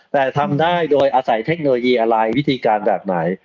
แต่ทำได้โดยอาศัยเทคโนโลยีอะไรวิธีการแบบไหน